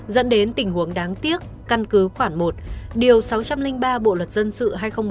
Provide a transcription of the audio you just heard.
dẫn đến tình huống đáng tiếc căn cứ khoảng một điều sáu trăm linh ba bộ luật dân sự hai nghìn một mươi năm